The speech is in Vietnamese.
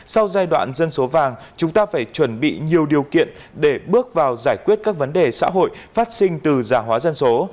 sau giai đoạn dân số vàng chúng ta phải chuẩn bị nhiều điều kiện để bước vào giải quyết các vấn đề xã hội phát sinh từ già hóa dân số